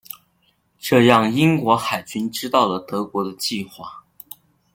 这让英国海军知道了德国的计划。